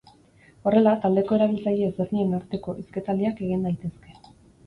Horrela, taldeko erabiltzaile ezberdinen arteko hizketaldiak egin daitezke.